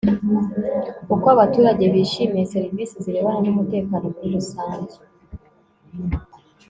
Uko abaturage bishimiye serivisi zirebana n umutekano muri rusange